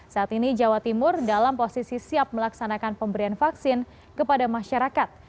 saat ini jawa timur dalam posisi siap melaksanakan pemberian vaksin kepada masyarakat